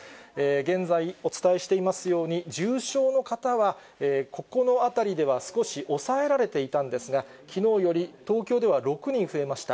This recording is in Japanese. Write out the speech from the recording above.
現在、お伝えしていますように、重症の方はここのあたりでは少し抑えられていたんですが、きのうより東京では６人増えました。